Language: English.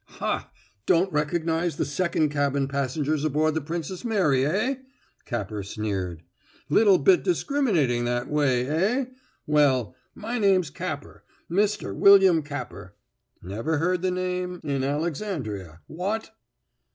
"Hah! Don't recognize the second cabin passengers aboard the Princess Mary, eh?" Capper sneered. "Little bit discriminating that way, eh? Well, my name's Capper Mr. William Capper. Never heard the name in Alexandria; what?"